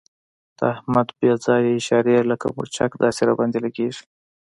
د احمد بې ځایه اشارې لکه مرچک داسې را باندې لګېږي.